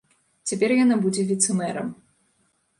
Цяпер яна будзе віцэ-мэрам.